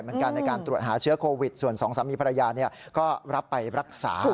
เหมือนกันในการตรวจหาเชื้อโควิดส่วนสองสามีภรรยาเนี่ยก็รับไปรักษา